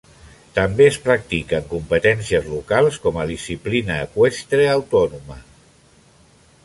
També es practica en competències locals com a disciplina eqüestre autònoma.